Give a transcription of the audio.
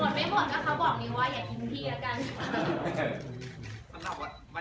ไม่หมดก็เขาบอกนิ้งว่าอย่าทิ้งพี่แล้วกัน